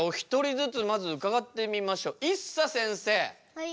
はい。